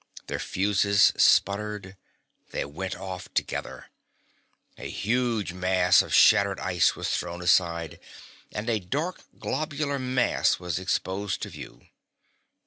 Their fuses sputtered. They went off together. A huge mass of shattered ice was thrown aside, and a dark, globular mass was exposed to view.